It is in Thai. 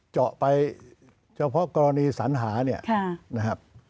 เจาะไปเฉพาะกรณีสัญหาเนี่ยนะครับ